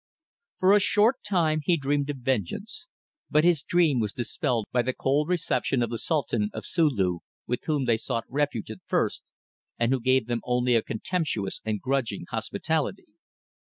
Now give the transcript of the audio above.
For a short time he dreamed of vengeance, but his dream was dispelled by the cold reception of the Sultan of Sulu, with whom they sought refuge at first and who gave them only a contemptuous and grudging hospitality.